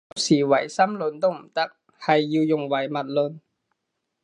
有時唯心論都唔得，係要用唯物論